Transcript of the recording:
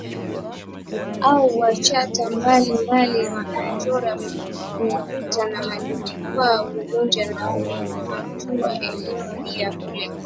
Au machata mbali mbali yachorwayo ukutani na majukwaa uvunjaji na umanju Elimu hii hulenga